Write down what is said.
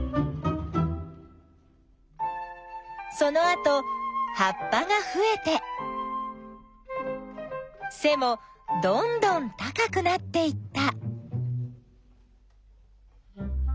そのあとはっぱがふえてせもどんどん高くなっていった。